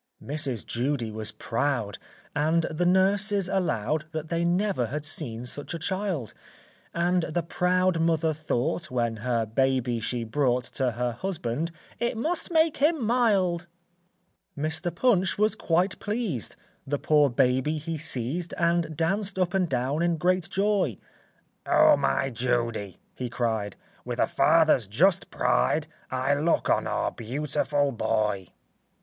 ] Mrs. Judy was proud, And the nurses allowed That they never had seen such a child; And the proud mother thought When her baby she brought To her husband, "It must make him mild." [Illustration: PUNCH AND THE BABY.] Mr. Punch was quite pleased; The poor baby he seized, And danced up and down in great joy. "Oh, my Judy," he cried, "With a father's just pride, I look on our beautiful boy."